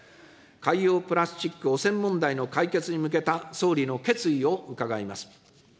海洋プラスチック汚染問題の解決に向けた総理の決意を伺います。